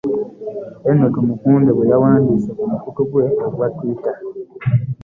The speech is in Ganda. Henry Tumukunde bwe yawandiise ku mukutu gwe ogwa Twitter